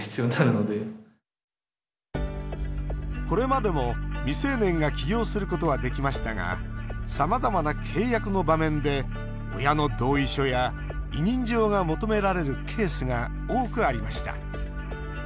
これまでも未成年が起業することはできましたがさまざまな契約の場面で親の同意書や委任状が求められるケースが多くありました。